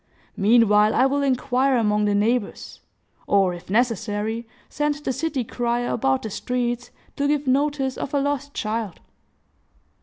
Meanwhile, I will inquire among the neighbors; or, if necessary, send the city crier about the streets, to give notice of a lost child."